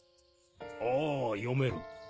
ああ読める。